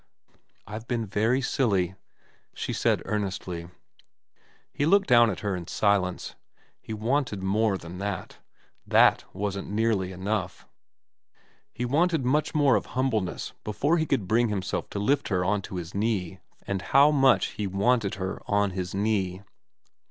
' I've been very silly,' she said earnestly. He looked down at her in silence. He wanted more than that. That wasn't nearly enough. He wanted much more of humbleness before he could bring himself to lift her on to his knee, forgiven. And how much he wanted her on his knee.